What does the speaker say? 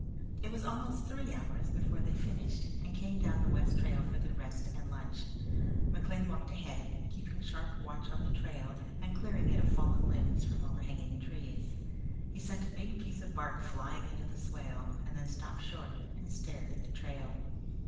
It was almost three hours before they finished and came down the west trail for their rest and lunch. McLean walked ahead, keeping sharp watch on the trail and clearing it of fallen limbs from overhanging trees. He sent a big piece of bark flying into the swale, and then stopped short and stared at the trail.